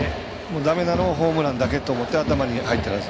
だめなのはホームランだけというのが頭に入ってるはず。